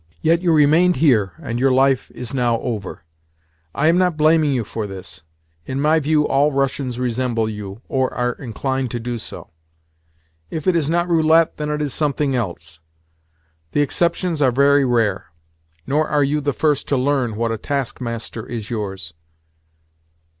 Yet you remained here, and your life is now over. I am not blaming you for this—in my view all Russians resemble you, or are inclined to do so. If it is not roulette, then it is something else. The exceptions are very rare. Nor are you the first to learn what a taskmaster is yours.